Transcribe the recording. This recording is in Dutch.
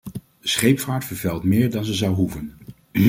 De scheepvaart vervuilt meer dan ze zou hoeven.